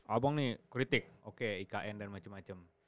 oh bang nih kritik oke ikn dan macem macem